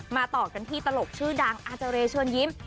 ต่อกันที่ตลกชื่อดังอาเจรเชิญยิ้ม